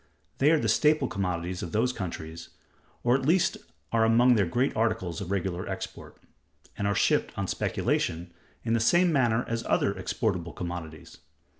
They are the staple commodities of those countries, or at least are among their great articles of regular export; and are shipped on speculation, in the same manner as other exportable commodities.